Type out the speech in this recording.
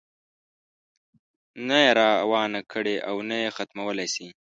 نه یې روانه کړې او نه یې ختمولای شي.